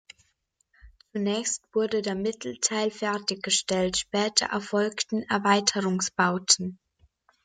Zunächst wurde der Mittelteil fertiggestellt, später erfolgten Erweiterungsbauten.